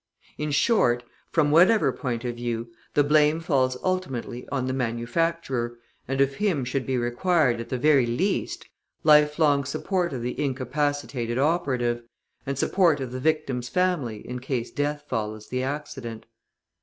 In short, from whatever point of view, the blame falls ultimately on the manufacturer, and of him should be required, at the very least, life long support of the incapacitated operative, and support of the victim's family in case death follows the accident.